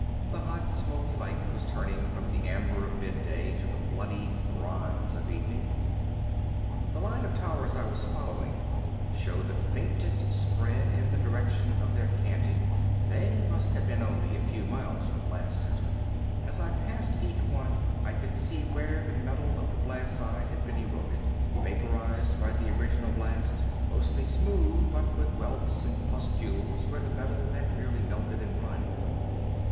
The hot smoky light was turning from the amber of midday to the bloody bronze of evening. The line of towers I was following showed the faintest spread in the direction of their canting they must have been only a few miles from blast center. As I passed each one I could see where the metal on the blast side had been eroded vaporized by the original blast, mostly smoothly, but with welts and pustules where the metal had merely melted and run.